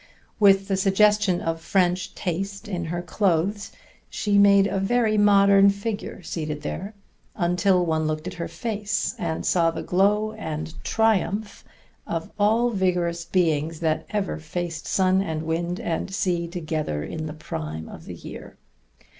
With the suggestion of French taste in her clothes, she made a very modern figure seated there, until one looked at her face and saw the glow and triumph of all vigorous beings that ever faced sun and wind and sea together in the prime of the year.